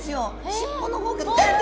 尻尾の方から出て。